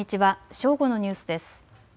正午のニュースです。